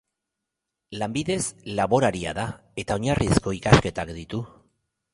Lanbidez laboraria da eta oinarrizko ikasketak ditu.